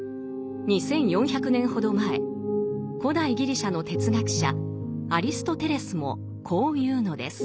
２，４００年ほど前古代ギリシャの哲学者アリストテレスもこう言うのです。